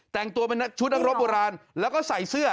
แต่งตัวเป็นชุดนักรบโบราณแล้วก็ใส่เสื้อ